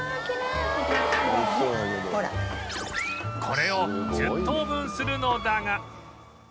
これを１０等分するのだが